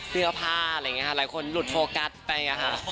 เสื้อผ้าอะไรอย่างงี้หรอหลายคนหลุดโฟกัสไป